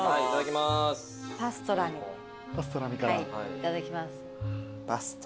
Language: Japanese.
いただきます。